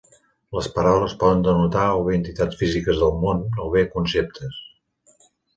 Les paraules poden denotar o bé entitats físiques del món o bé conceptes.